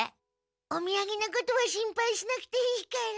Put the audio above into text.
おみやげのことは心配しなくていいから。